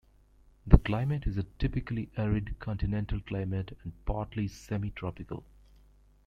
The climate is a typically arid continental climate and partly semi-tropical.